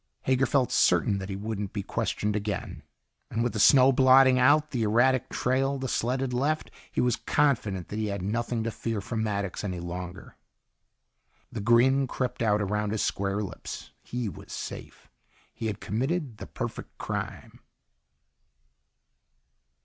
Hager felt certain that he wouldn't be questioned again. And with the snow blotting out the erratic trail the sled had left, he was confident that he had nothing to fear from Maddox any longer. The grin crept out around his square lips. He was safe. He had committed the perfect crime.